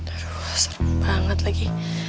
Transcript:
aduh serem banget lagi